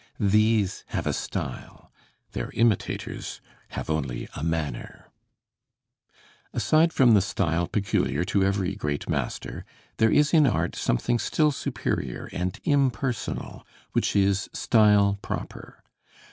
These have a style; their imitators have only a manner. Aside from the style peculiar to every great master, there is in art something still superior and impersonal, which is style proper.